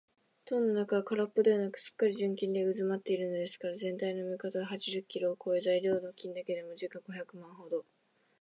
塔の中はからっぽではなく、すっかり純金でうずまっているのですから、ぜんたいの目方は八十キロをこえ、材料の金だけでも時価五百万円ほど